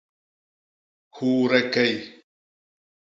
Huude key.